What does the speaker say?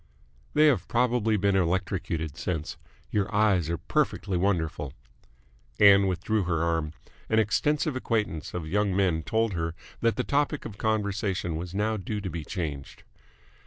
"They have probably been electrocuted since. Your eyes are perfectly wonderful!" Ann withdrew her arm. An extensive acquaintance of young men told her that the topic of conversation was now due to be changed.